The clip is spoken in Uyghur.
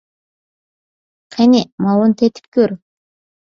قېنى، ماۋۇنى تېتىپ كۆر!